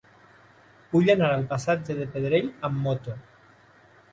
Vull anar al passatge de Pedrell amb moto.